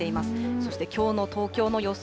そしてきょうの東京の予想